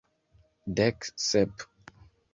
Dek sep.